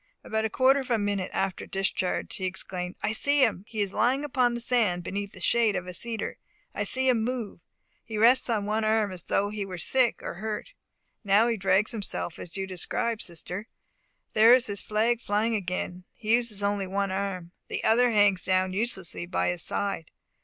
About a quarter of a minute after the discharge he exclaimed, "I see him! He is lying upon the sand beneath the shade of a cedar. I see him move. He rests on one arm, as though he were sick or hurt. Now he drags himself as you describe, sister. There is his flag flying again. He uses only one arm. The other hangs down uselessly by his side.